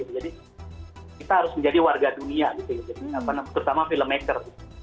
jadi kita harus menjadi warga dunia gitu terutama filmmaker